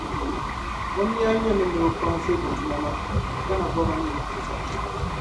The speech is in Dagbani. O niya nyɛmi ni o kpaŋsi bi tuma maa, Ghana boba ni yaɣa zaa.